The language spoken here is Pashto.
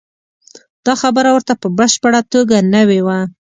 دا خبره ورته په بشپړه توګه نوې وه.